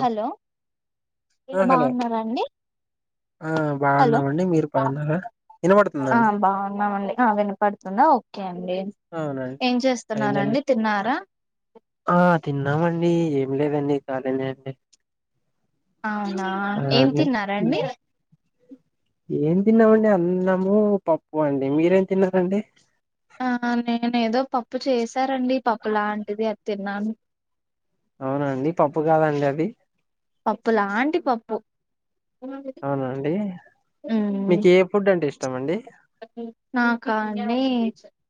Hello ఆ మీరు hello బావున్నారాండి? ఆ బావున్నావండి మీరు బావున్నారా? ఆ బావున్నామండి ఆ వినపడుతుందా ఓకే అండి అవునండి ఏం అయిందండి చేస్తున్నారండి తిన్నారా? ఆ తిన్నామండి ఏం లేదండి కాలేనే అండి. అవునా ఆ ఏం అండి తిన్నారండి ఏం తిన్నావండి అన్నము, పప్పు అండి మీరేం తిన్నారండి. ఆహ నేనెదో పప్పు చేశారండి పప్పు లాంటిది అది తిన్నాను. అవునాండి పప్పు కాదండి అది పప్పులాంటి పప్పు అవునాండి ఉమ్ మీకు ఏ ఫుడ్ అంటే ఇష్టం అండి? నాకా అండి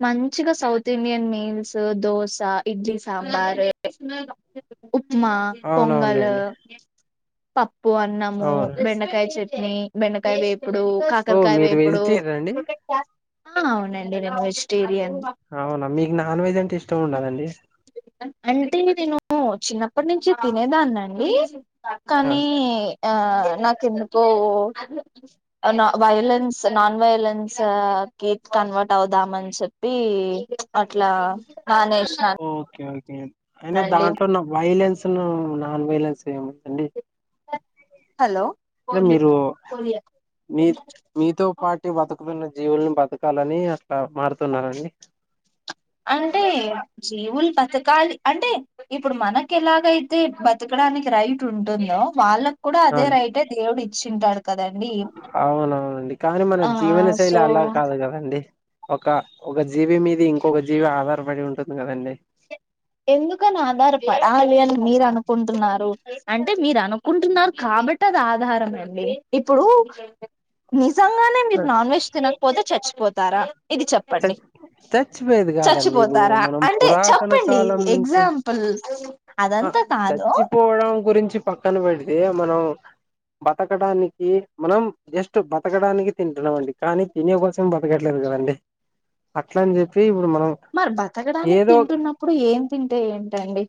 మంచిగా south Indian meals dosa idli sambar upma, pongal, అవునవునులేండి పప్పు అన్నము అవును బెండకాయ చేట్ హే బెండకాయ వేపుడు, ఓ కాకరకాయ మీరు వేపుడు వెజిటేరియన్ అండి ఆ అవునండి నేను వెజిటేరియన్. అవునా మీకు నాన్ వెజ్ అంటే ఇష్టం ఉండదండి. అంటే నేను చిన్నప్పటి నుంచి తినేదాన్ని అండి ఆ కానీ ఆ నాకు ఎందుకో నా వైలెన్స్, నాన్ వయలెన్స్ గీ కన్వర్ట్ అవుదామని చెప్పి చ్ అట్లా కనేషాన్ ఓకే ఓకే అయినా దాంట్లో నువ్వు వైలెన్స్ ను, నాన్ వైలెన్స్ ఏముందండి. హలో అదే మీరు మీ మీతో పాటి బతుకు కొన్ని జీవుల్ని బతకాలని అట్లా మారుతున్నడి. అంటే ఏ వ. జీవుల్ బతకాలి, అంటే ఇప్పుడు మనకి ఎలాగైతే బతకడానికి రైట్ ఉంటుందో వాళ్ళ. కూడా అదే అవును రైటే దేవుడు ఇచ్చింటాడు. కదండి అవునవునండి కానీ మన ఆ జీవన శైలి సో అలా కాదు కదండి. ఒక ఒక జీవీ మీది ఇంకొక జీవి ఆధారపడి ఉంటుంది గదండి. ఎందుకని ఆధారపడాలి అని మీరు అనుకుంటున్నారు అంటే మీరు అనుకుంటున్నారు కాబట్టి అది ఆధారం మండి ఇప్పుడు మీ. నిజంగానే ఆ, మీరు నాన్ వెజ్ తినకపోతే చచ్చిపోతార. ఇది చ చెప్పండి, చచ్చిపోయేది కాదండి ఇప్పుడు చచ్చిపోతార మనం అంటే పురాతన చప్పండి. కాలం నుంచి ఎగ్జామ్ఫుల్ ఆ అదంతా కాదు. చచ్చిపోవడం గురించి పక్కన పెడితే మనం బతకడానికి మనం జస్ట్ బతకడానికి తింటున్నాం అండి. కానీ తినే కోసం బతకట్లేదు. నిజమండి, అట్ల అని జెప్పి ఇపు. మర్ బతకడానికి తింటున్నప్పుడు ఏం తింటే ఏంటండి.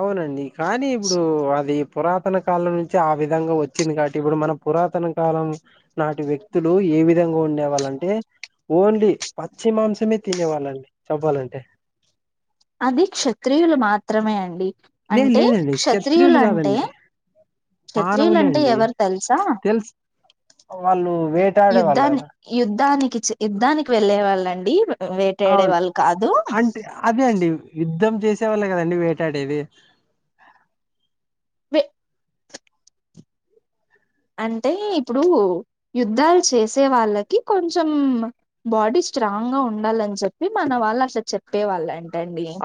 అవునండి కానీ ఇప్పుడు ఆ. అది పురాతన కాలం నుంచి ఆ విధంగా వొచ్చింది గవట్టి ఇప్పుడు మన పురాతన కాలం, నాటి వ్యక్తు. లు ఏ విధంగా ఉండేవాళ్ళంటే. ఓన్లీ పచ్చి మాంసమే తినేవాళ్ళ, చెప్పాలంటే. అది క్షత్రియులు మాత్రమే అండి. లేదు అంటే లేదండి క్షత్రియులు అంటే. కాదండి మానవులే క్షత్రియులంటే అండి ఎవరు తెలుసా ఆ. తెలుసు వాళ్ళు వేటాడే వాళ్ళు యుద్ధాన్ని, కదా యుద్ధానికి చె, యుద్ధానికి వెళ్ళే వాళ్ళండి. వేటాడే అవున్, వాళ్ళు కాదు అంటే అదే అండి యుద్ధం. చేసేవాళ్లే గదండి వేటాడేది. వె. అంటే ఇప్పుడు, యుద్ధాలు చేసే వాళ్ళకి కొంచం మ్ బాడీ. స్ట్రాంగ్ గా ఉండాలని చెప్పి మన వాళ్ళు అసలు చెప్పే వాళ్ళ అంన్.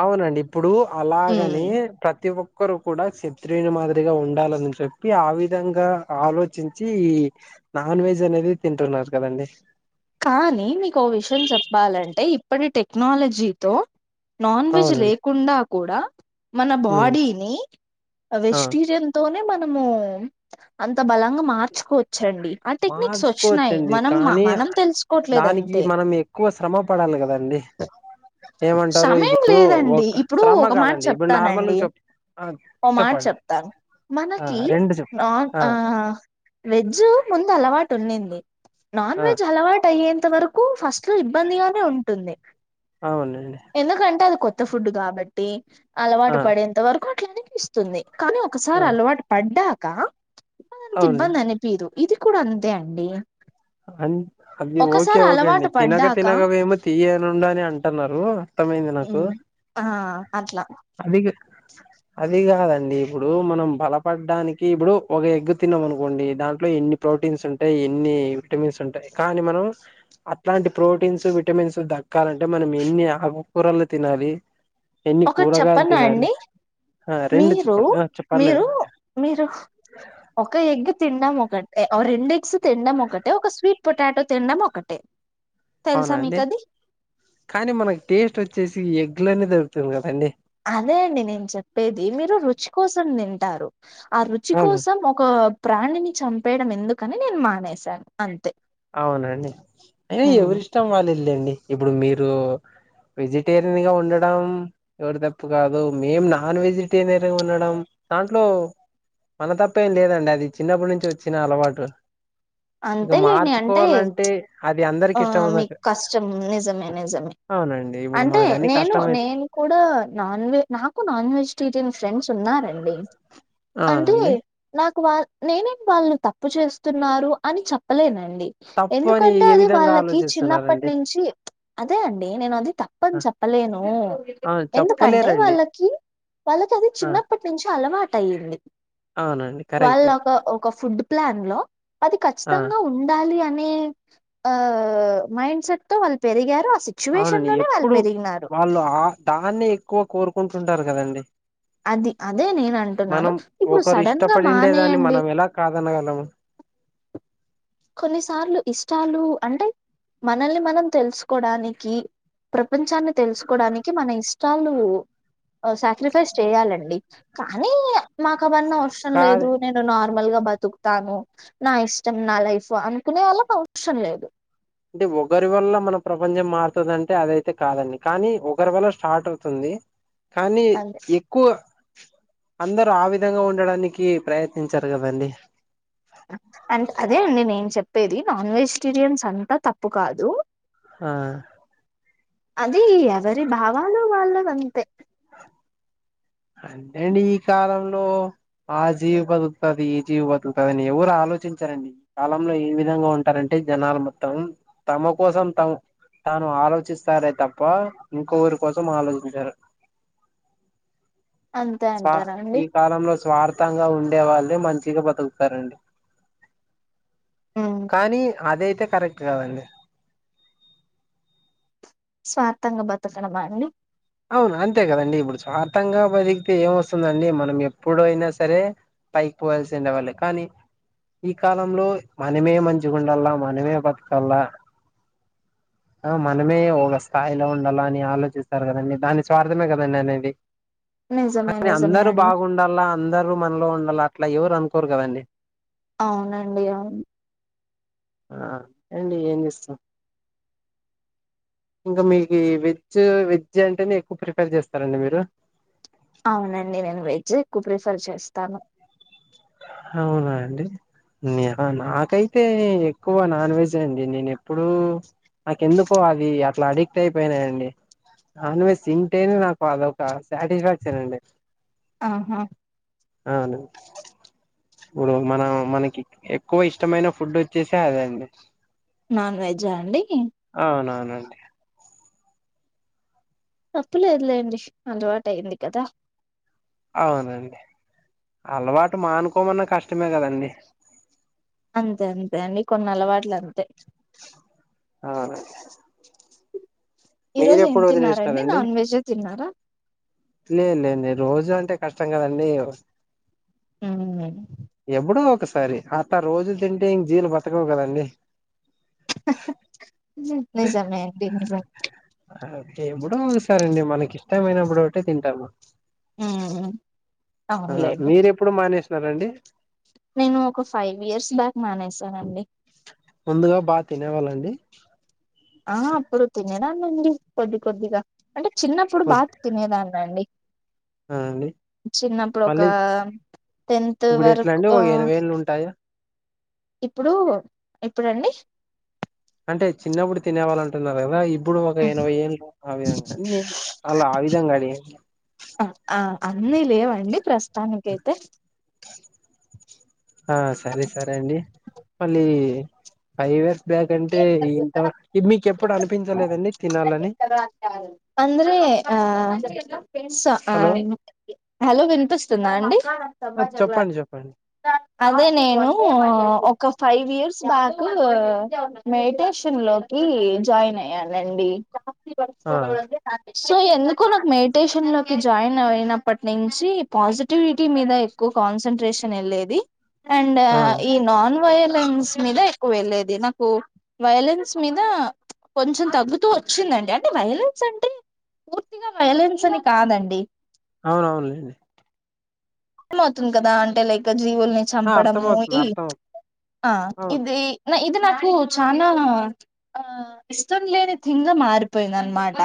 అవునండి ఇప్పుడు అలాగనే ఉమ్ ప్రతి ఒ. ఒక్కరు కూడా, శత్రియుని మాదిరిగా ఉండాలని చెప్పి ఆ విధంగా ఆలోచించి ఈ. నాన్ వెజ్ అనేదే తింటున్నారు కదండీ. కానీ మీకు ఓ విషయం చెప్పాలంటే ఇప్పటి టెక్నాలజీతో. నాన్ వెజ్ అవునండి లేకుండా కూడా మన ఉమ్ బాడీని. అ ఆ వెజిటిరియన్ తోనే మనము అంత బలంగా మార్చుకో. చెడ్డి ఆ టెక్నిక్స్ వొచ్చినాయి మార్చుకోవచ్చండి మనం మ కానీ మనం. తెలుసుకోవట్లేదు దానికి అంతే మనం ఎక్కువ శ్రమ పడాలి కద అండి ఏమంటారు సమయం ఇప్పుడు లేదండి ఒక ఇప్పుడు శ్రమ ఒక మాట కాదండి ఇప్పుడు నార్మల్ చెప్తానండి చెప్ ఆ ఓ మాట చెప్పండి చెప్తాన్ ఆ మనకి రెండు చెప్ నాన్ ఆ... వెజ్జు ముందు అలవాటు ఉన్నింది నాన్ ఆ వెజ్ అలవాటు అయ్యేంత వరకు ఫస్ స్టు ఇబ్బందిగానే ఉంటుంది అవునండి ఎందుకంటే అది కొత్త ఫుడ్ గాబట్టి అలవాటు ఆ పడేంత వరకు అట్లానే అన్పిస్తుంది కానీ ఆ ఒకసారి అలవాటు పడ్డాక అంత అవును ఇబ్బంది అనిపీదు ఇది కూడా అంతే అండి అన్ అది ఓకే ఒకసారి ఓకే అండి అలవాటు తినగ పడ్డాక తినగ వేమ తియ్యనుండు అని అంటన్నారు త్తమైంది నాకు హ్మ్. ఆ అట్లా అది ఇగ అది గాదండి ఇప్పుడు మనం బలపడ్డానికి ఇప్పుడు ఒక ఎగ్గు తిన్నాం అనుకోండి దాంట్లో ఎన్ని ప్రోటీన్స్ ఉంటాయ్ ఎన్ని టమిన్స్ ఉంటాయ్ కానీ మనం అట్లాంటి ప్రోటీన్సు విటమిన్సు దక్కాలంటే మనం ఎన్ని ఆ కొర్రెలు తినాలి ఎన్ని ఒకట్ కూరగాయలు చెప్పన తినాలి అండి ఆ రెండు మీరు చెప్పండి ఆ చె పర్లేదు మీరు మీరు ఒక ఎగ్గు తిన్డం ఒకటే రెండ్ ఎగ్స్ తిన్డం మొక్కటే ఒక స్వీట్ పొటాటో తిన్డం మొక్కటే అవునా అండి. కానీ మనకి టేస్ట్ వచ్చేసి ఎగ్లనే దొరుకుతుంది కదండి. చి కోసం తింటారు, ఆ రుచి అవును కోసం ఒక ప్రాణిని చంపేయడం ఎందుకని నేను మానేశాను అంతే. అవునండి. అయినా ఉమ్. ఎవరిష్టం వాలిల్లెండి. ఇప్పుడు మీరు వెజిటేరియన్ గా ఉండడం, ఎవర్ తప్పు కాదు, మేం నాన్ వెజిటేరియన్ గా ఉండడం. దాంట్లో మన తప్పేం లేదండి. అది చిన్నప్పటి నుంచి వచ్చిన అలవాటు. అంతే లేండి అం వాలంటే ఆ మీకు కష్టం. నిజమే నిజమే అవునండి ఇప్పుడు అంటే మాకన్ని నేను కష్టమయి నేన్ కూడా నాన్ వె నాకు నాన్ వెజిటేరియన్ ఫ్రెండ్స్ న్నారండి అంటే అవునండి నాకు వాల్ నేనేం వాళ్ళని తప్పు చేస్తున్నారు అని చెప్పలేనండి. తప్పు అని ఎందుకంటే ఏ అది విధంగా వాళ్ళకి చిన్నప్పటి ఆలోచిస్తున్నారండి నుంచి. ప్చ్ అదే అండి. నేను అది తప్పని చెప్పలేను అవును ఎందుకంటే చెప్పలేరండి వాళ్ళకి వాళ్ళకాది ఆ చిన్నప్పటి నుంచి అలవాటయ్యింది. అవునండి కరెక్టె క ఫుడ్ ప్లాన్ లో అది ఖచ్చితంగా ఉండాలి. అనే ఆ మైండ్ సెట్ తో వాళ్ళు పెరిగారా. అవునండి. ఎప్పుడు వాళ్ళు ఆ దాన్నే ఎక్కువ కోరుకుంటుంటారు కదండి. అది అదే నేను అంటున్నాను. మనం ఇప్పుడు ఒకరు సడన్ గా ఇష్టపడిండే దాన్ని. మానేయండి మనం ఎలా కాదనగలాం. కొన్నిసార్లు ఇష్టాలు. అంటే మనల్ని మనం తెలుసుకోవడానికి. ప్రపంచాన్ని తెలుసుకోవడానికి, మన ఇష్ టాలు సాక్రిఫైస్ చేయాలండి. కానీ నాకావన్న అవసరం కాదు లేదు. నేను నార్మల్ గా బతుకుతాను నా ఇష్టం, నా లైఫ్. సో అనుకునే వాళ్ళకు అవసరం లేదు. అంటే ఒకరి వల్ల మన ప్రపంచం మారుతుందాంటే అదయితే కాదండి. కానీ ఒకరి వల్ల స్టార్ట్ అవుతుంది. ది కానీ అదే ఎక్కువ అందరూ ఆ విధంగా ఉండడానికి ప్రయత్నించరు కదండి. ఆ అంట్ అదే అండి. నేను చెప్పేది నాన్ వెజిటేరియన్స్ అంతా తప్పు కాదు. ఆహ్ అది ఎవరి భావాలు వాళ్ళదంతే అంటేండి ఈ కాలంలో ఆ జీవి బతుకుతది, ఈ జీవి బతుకుతది, అని ఎవరు ఆలోచించారండి. కాలంలో ఏ విధంగా ఉంటారంటే. జనాలు మొత్తం తమ కోసం తము తాను ఆలోచిస్తారే తప్ప. ఇంకోక్కరి కోసం ఆలోచించారు. [inaudible] అంతే స్వా అంటారా అండి ఈ కాలంలో స్వార్ తంగా ఉండే వాళ్ళే మంచిగా బతుకుతారండి. ఉమ్, కానీ అదయితే కరెక్ట్ కదండి. స్వార్థంగా బతుకడమా అండి. అవును అంతే కదండి. ఇప్పుడు స్వార్థం గా బతికితే ఏం వస్తుందండి. మనం ఎప్పుడైనా సరే పైక్ పోవాల్సిన వాళ్లే కానీ ఈ కాలంలో మనమే మంచిగుండల్లా, మనమే బతకల్లా. ఆ మనమే ఒక స్థాయిలో ఉండాల అని ఆలోచిస్తారు కదండి. దాన్నీ స్వార్థమే కదండి. అనేది నిజమే కానీ నిజమే అందరుూ అండి బాగుండాల అందరుూ మన్లో ఉండాల్ల. ట్లా ఎవరు అనుకోరు కదండీ. అవునండి అవున్ ఆ ఏండి ఏం చేస్తాం. ఇంకా మీకి ఈ విజ్ విజ్ అం అంటే మీ ఎక్కువ ప్రిఫేర్ చేస్తారండి. మీరు అవునండి నేను వెజ్ ఎక్కువ ప్రిఫర్ చేస్తాను అవునా అండి నాకైతే ఎక్కువ నాన్ వెజ్ అండి నేను ఎప్పుడూ నాక ఎందుకో అది అట్లా అడిక్ట్ అయిపోయినాయండి నాన్ వెజ్ తింటేనే నాకు అదొక సాటిస్ఫాక్షన్ అండి ఆహా అవును ఇప్పుడు మన మనకి ఎక్కువ ఇష్టమైన ఫుడ్ వచ్చేసే అదేండి నాన్ వెజా అండి. అవునవును అండి తప్పులేదులేండి అలవాటు అయ్యంది కదా అవునండి అలవాటు మానుకోమన్న కష్టమే కదండి అంతే అంతే అండి కొన్ని అలవాట్లు అంతే అవును ఈ మీరు రోజు ఏం ఎప్పుడు తిన్నారండి వదిలేసినారండి నాన్ వెజ్ తిన్నారా లేదు లే లే రోజు అంటే కష్టం కదండి హ్మ్. ఎప్పుడు ఒక సరే అట్ట రోజు తింటే ఇం జీవులు బతకవు కదంీ నిజామే అండి ఎప్పుడుో ఒకసారండి మనకి ఇష్టమైనప్పుడు ఒకటే తింటాము ఆ ఆ మీర ఎప్పుడు మానేసినారండి తింటానండి ముందుగా బాగా తినేవాళ్ళండి ఆ అప్పుడు తినేదాన్నండి కొద్ది కొద్దిగా అంటే చిన్నప్పుడు బాగా ఆ తినేదాన్న అండి అండి చిన్నప్పుడు ఒక మళ్ళీ టెన్త్ ఇప్పుడు ఎట్లా వర్క్ అండి ఆ ఒక ఎనభై ఏళ్ళు ఉంటాయా ఇప్పుడు ఇప్పుడుండి అంటే చిన్నప్పుడు తినే వాళ అంటున్నారు కదా ఇప్పుడు ఒక ఎనభై ఏళ్ళు ఆ విధంగా నను అలా ఆ విధంగా అడిగానండీ ఆ ఆ అన్నీ లేవండి ప్రస్తుతానిక అైతే ఆ సరే సరే అండి మళ్ళీ ఫైవ్ ఇయర్స్ బ్యాక్ అంటే ఇంత వారికి మీకు ఎప్పుడు అనిపించలేదండి. తినాలని అంద్రే ఆ హా హలో హలో వినిపిస్తుందా అండి ఆ చెప్పండి చెప్పండి అదే నేను ఒక ఫైవ్ ఇయర్స్ బాకు మెడిటేషన్ లోకి జాయిన్ అయ్యానండి. ఆ వకో అే నాే [unintelligible] సో ఎందుకో నాకు మెడిటేషన్ లోకి జాయిన్ అయినప్పటి నుంచి పాజిటివిటీ మీద ఎక్కువ కాన్సన్ట్రేషన్ వెళ్ళేది ఆ ఈ నాన్ వెజ్ మీద ఎక్కువ వెళ్ళేది నాకు వైలెన్స్ మీద కొంచెం తగ్గుతూ వచ్చిందండి అంటే వైలెన్స్ అంటే పూర్తిగా వైలెన్స్ అని కాదండి అవునవునండి ఏమవుతుంది కదా అంటే లైక్ జీవుల్ని ఆ చంపడ అర్థమవుతుంది ఇ అర్థమవుతుంది ఆ అవును ఇది నాకు చానా ఆ ఇష్టం లేని థింగా మారిపోయింది అనమాట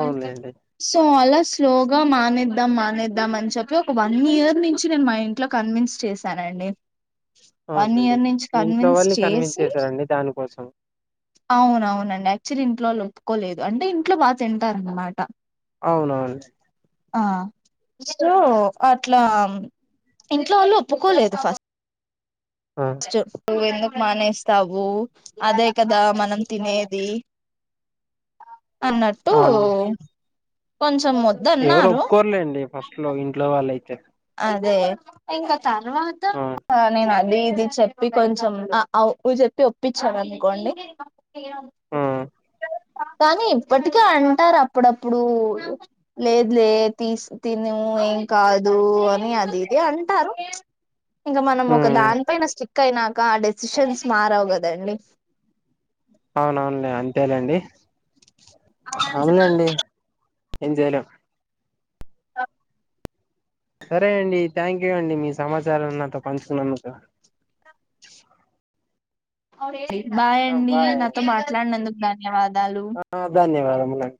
అవునులేండి సో అలా స్లోగా మానేద్దాం మానేద్దాం అని చెప్పి ఒక వన్ ఇయర్ నుంచి నేను మా ఇంట్లో కన్విన్స్ చేశానే. వన్ అవునండి ఇయర్ నుంచి మీ ఇంట్లో కన్విన్స్ వాళ్ళని కన్విన్స్ చేసి చేశారండి దానికోసం అవునవునండి యాక్చువల్లీ ఇంట్లో వాళ్ళు ఒప్పుకోలేదు అంటే ఇంట్లో బా తింటారన్మాట అవునా అండి ఆ మీరు అట్లా ఇంట్లో వాళ్ళు ఒప్పుకోలేదు ఫస్ట్ ఆ చెప్పు ఎందుకు మానేస్తావు అదే కదా మనం తినేది అన్నట్టు అవునండి కొంచ్ ఎవరు ఒప్పుకోరులేండి ఫస్ట్ లో ఇంట్లో వాళ్ళై అదే ఇంకా తర్వాత ఆ నేను అది ఇది చెప్పి కొంచెం చెప్పి ఒప్పించను అనుకోండి ఆ కానీ ఇప్పటికే అంటారు అప్పుడప్పుడు లేదు లే తీ తని ఏం కాదు అని అది ఇదో అంటారు ఇంక మనం ఒక ఉమ్ దాని పైన కైనాక ఆ డెసిషన్స్ మారవు గదండి అవునవునులే అంతేలేండి ఆ అవునులేండి ఏం జెయ్ లేం సరే అండి థ్యాంక్ యూ అండి మీ సమాచారాన్ని నాతో పంచుకున్నందుకు ఆ! బాయండి బాయ్ నాతో మాట్లాడినందుకు దాని ఆ ధన్యవాదములండి